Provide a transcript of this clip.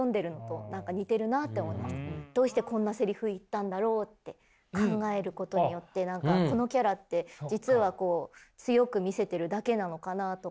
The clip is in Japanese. どうしてこんなセリフ言ったんだろうって考えることによって何かこのキャラって実は強く見せてるだけなのかなとか。